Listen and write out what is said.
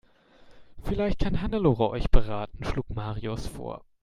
"Vielleicht kann Hannelore euch beraten", schlug Marius vor.